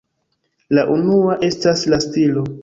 La unua estas la stilo.